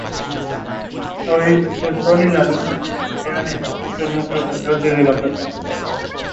It was written in Latin and later translated into English.